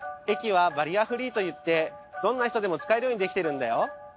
駅はバリアフリーといってどんな人でも使えるようにできているんだよ。